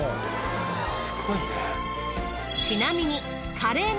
すごいね。